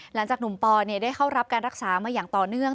หลังจากหนุ่มปอได้เข้ารับการรักษามาอย่างต่อเนื่อง